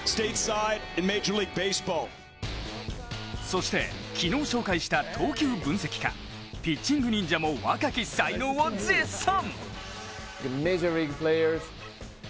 そして、昨日紹介した投球分析家ピッチングニンジャも若き才能を絶賛！